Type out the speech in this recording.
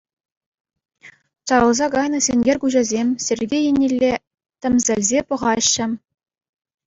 Чарӑлса кайнӑ сенкер куҫӗсем Сергей еннелле тӗмсӗлсе пӑхаҫҫӗ.